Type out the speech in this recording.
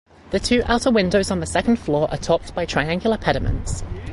The two outer windows on the second floor are topped by triangular pediments.